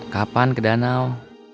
kapan ke danau